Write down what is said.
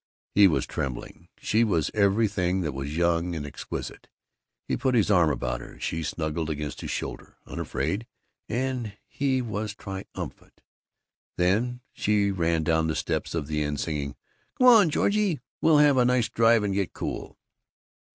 He was trembling. She was everything that was young and exquisite. He put his arm about her. She snuggled against his shoulder, unafraid, and he was triumphant. Then she ran down the steps of the Inn, singing, "Come on, Georgie, we'll have a nice drive and get cool."